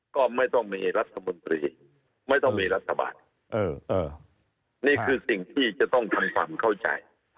ก็ไม่ต้องมีรัฐมนตรีไม่ต้องมีรัฐบาลนี่คือสิ่งที่จะต้องทำความเข้าใจ